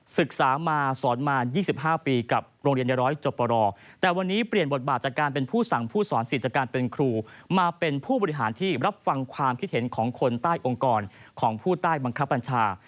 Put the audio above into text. ศึกษามาสอนมา๒๕ปีกับโรงเรียนในร้อยจบรอ